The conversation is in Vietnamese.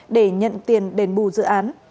để nhận tiền đền bù dự án